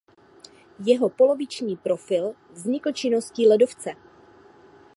Jeho poloviční profil vznikl činností ledovce.